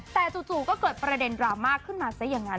แต่จู่ก็เกิดประเด็นดราม่าขึ้นมาซะอย่างนั้น